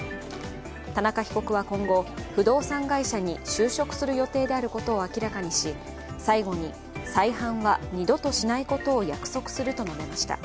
田中被告は今後、不動産会社に就職する予定であることを明らかにし最後に、再犯は二度としないことを約束すると述べました。